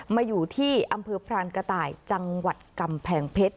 มาอยู่ที่อำเภอพรานกระต่ายจังหวัดกำแพงเพชร